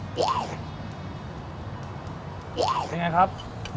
ดูนะครับ